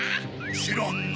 しらんな。